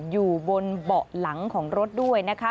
อยู่บนเบาะหลังของรถด้วยนะคะ